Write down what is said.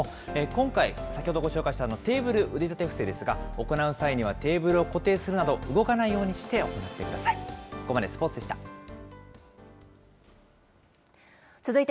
今回、先ほどご紹介したテーブル腕立て伏せですが、行う際にはテーブルを固定するなど、動かないようにして行ってください。